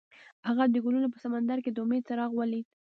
هغه د ګلونه په سمندر کې د امید څراغ ولید.